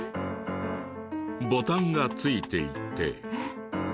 ボタンがついていて。